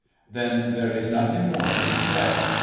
'' Then there is nothing more to be said.